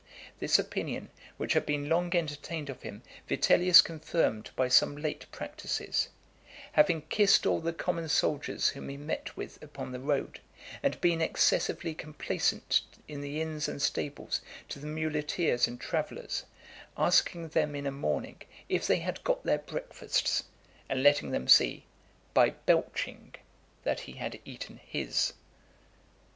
This opinion, which had been long entertained of him, Vitellius confirmed by some late practices; having kissed all the common soldiers whom he met with upon the road, and been excessively complaisant in the inns and stables to the muleteers and travellers; asking them in a morning, if they had got their breakfasts, and letting them see, by belching, that he had eaten his.